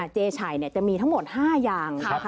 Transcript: เจไฉจะมีทั้งหมด๕อย่าง